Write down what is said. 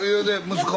息子！